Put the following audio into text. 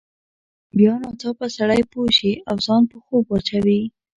بیا ناڅاپه سړی پوه شي او ځان په خوب واچوي.